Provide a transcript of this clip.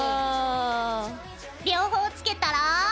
両方つけたら。